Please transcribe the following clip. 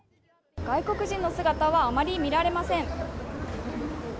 外国人の姿はあまり見られません。